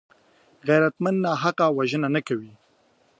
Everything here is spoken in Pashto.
غیرتمند ناحقه وژنه نه کوي